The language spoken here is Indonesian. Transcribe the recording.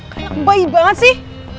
kayak bayi banget sih